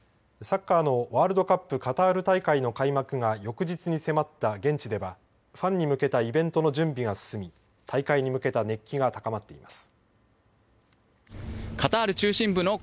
市の当局は像を撤去し別の場所に移す準備を進めているサッカーのワールドカップカタール大会の開幕が翌日に迫った現地ではファンに向けたイベントの準備が進み大会に向けた熱気が高まっています。